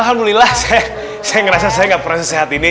ih alhamdulillah saya ngerasa saya nggak pernah sehat ini